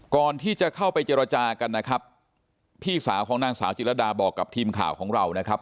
ก่อนที่จะเข้าไปเจรจากันนะครับพี่สาวของนางสาวจิรดาบอกกับทีมข่าวของเรานะครับ